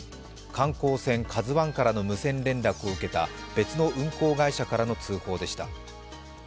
観光船「ＫＡＺＵⅠ」からの無線連絡を受けた別の運航会社からの通報でした。